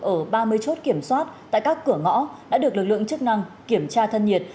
ở ba mươi chốt kiểm soát tại các cửa ngõ đã được lực lượng chức năng kiểm tra thân nhiệt